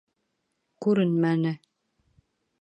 Күренмәне!